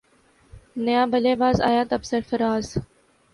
نیا بلے باز آیا تب سرفراز